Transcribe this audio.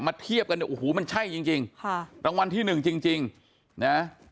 มาเทียบกันโอ้โหมันใช่จริงรางวัลที่๑จริงนะ